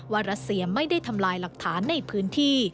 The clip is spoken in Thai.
รัสเซียไม่ได้ทำลายหลักฐานในพื้นที่